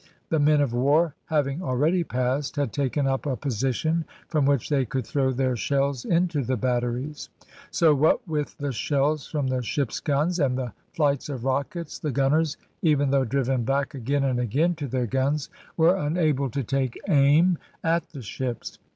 The men of war having already passed, had taken up a position from which they could throw their shells into the batteries; so what with the shells from the ships' guns, and the flights of rockets, the gunners, even though driven back again and again to their guns, were unable to take aim at the ships.